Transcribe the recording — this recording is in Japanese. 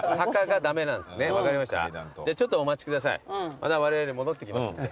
またわれわれ戻ってきますんで。